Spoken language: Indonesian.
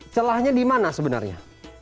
celahnya di mana sebenarnya